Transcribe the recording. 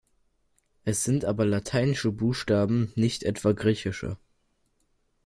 Es sind aber lateinische Buchstaben, nicht etwa griechische.